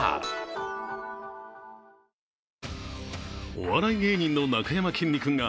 お笑い芸人のなかやまきんに君が